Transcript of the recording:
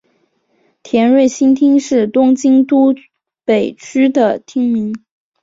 田端新町是东京都北区的町名。